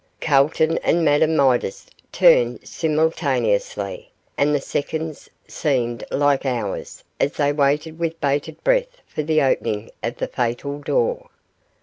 Calton and Madame Midas turned simultaneously, and the seconds seemed like hours as they waited with bated breath for the opening of the fatal door.